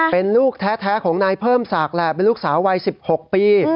เป็นลูกแท้ของนายเพิ่มศักดิ์แหละเป็นลูกสาววัย๑๖ปี